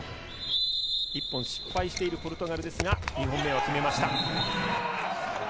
１本失敗しているポルトガルですが、２本目を決めました。